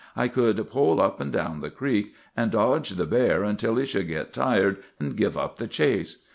I could pole up and down the creek, and dodge the bear until he should get tired and give up the chase.